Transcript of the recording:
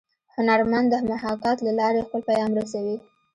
هنرمن د محاکات له لارې خپل پیام رسوي